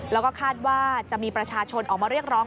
แล้วก็คาดว่าจะมีประชาชนออกมาเรียกร้อง